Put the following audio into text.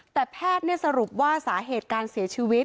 แต่แพทย์สรุปว่าสาเหตุการเสียชีวิต